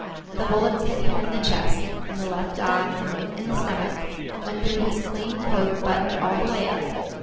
The bullets hit him in the chest, in the left eye, in the stomach, went through his clean coat buttoned all the way up.